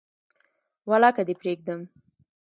ولاکه دي پریږدم